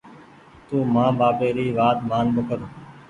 تونٚ مآن ٻآپي ري وآت مآن ٻوکر۔